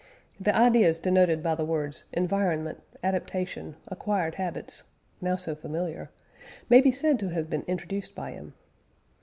(The ideas denoted by the words "environment," "adaptation," "acquired habits" now so familiar may be said to have been introduced by him).